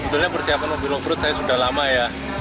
sebenarnya persiapan mobil off road saya sudah lama ya